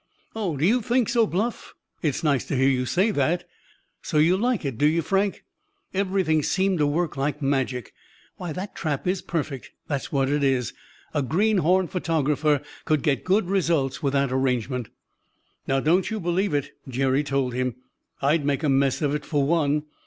"Oh, do you think so, Bluff? It's nice to hear you say that. So you like it, do you, Frank? Everything seemed to work like magic. Why, that trap is perfect, that's what it is! A greenhorn photographer could get good results with that arrangement." "Now, don't you believe it," Jerry told him; "I'd make a mess of it, for one.